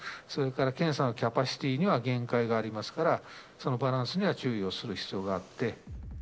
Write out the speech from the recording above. それから検査のキャパシティーには限界がありますから、そのバランスには注意をする必要があって。